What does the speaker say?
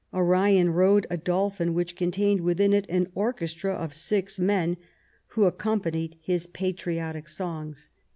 Arion rode a dolphin which contained within it an orchestra of six men who accompanied his patriotic songs.